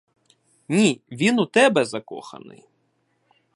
Ні, він у тебе закоханий.